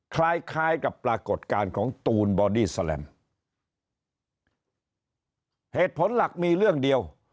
คล้ายคล้ายกับปรากฏการณ์ของตูนบอดี้แสลมเหตุผลหลักมีเรื่องเดียว